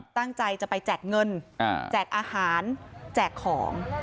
ตั้งใจจะไปแจกเงินแจกอาหารแจกของ